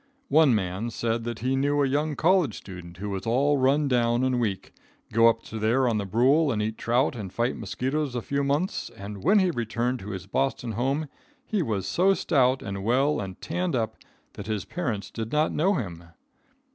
One man said that he knew a young college student, who was all run down and weak, go up there on the Brule and eat trout and fight mosquitoes a few months, and when he returned to his Boston home he was so stout and well and tanned up that his parents did not know him.